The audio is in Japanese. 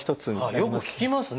よく聞きますね。